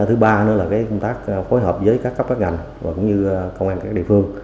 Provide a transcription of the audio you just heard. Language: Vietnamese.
thứ ba là công tác phối hợp với các các ngành và công an các địa phương